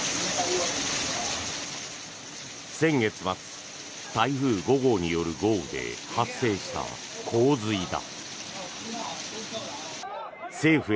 先月末、台風５号による豪雨で発生した洪水だ。